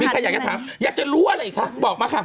ใครอยากจะถามอยากจะรู้อะไรอีกคะบอกมาค่ะ